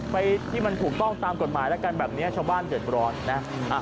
ไปที่มันถูกต้องตามกฎหมายแล้วกันแบบนี้ชาวบ้านเดือดร้อนนะ